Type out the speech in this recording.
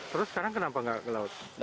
terus sekarang kenapa nggak ke laut